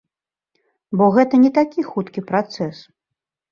Бо гэта не такі хуткі працэс.